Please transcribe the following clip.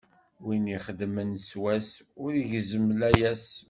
Win ixeddmen s wass, ur igezzem layas.